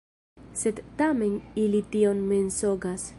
Sed tamen ili tion mensogas.